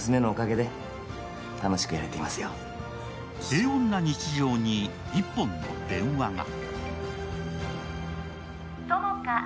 平穏な日常に１本の電話が。